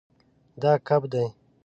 دا کب دی